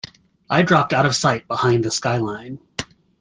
I dropped out of sight behind the sky-line.